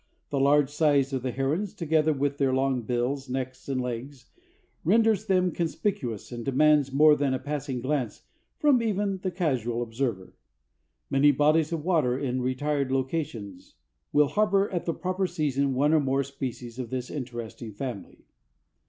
The large size of the herons, together with their long bills, necks and legs, renders them conspicuous and demands more than a passing glance from even the casual observer. Many bodies of water in retired locations will harbor at the proper season one or more species of this interesting family.